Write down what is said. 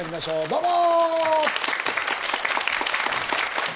どうも！